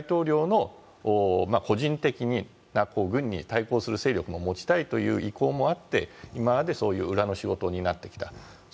しかしそれがプーチン大統領の個人的な軍に対抗する勢力を持ちたいという意向もあって今までそれが裏の仕事になってた。